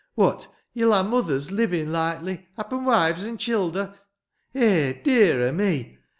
"What, ye'll ha' mothers livin', likely; happen wives and childer? Eh, dear o' me!